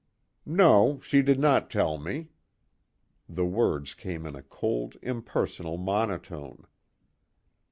"No, she did not tell me." The words came in a cold, impersonal monotone.